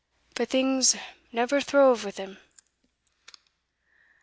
But things never throve wi' them.